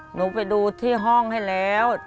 หนูไปดูที่ห้องให้แล้ว